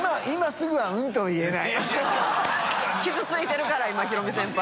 次傷ついてるから今ヒロミ先輩。